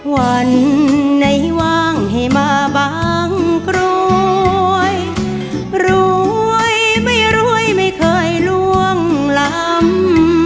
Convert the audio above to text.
วันไหนว่างให้มาบางกรวยรวยไม่รวยไม่เคยล่วงลำ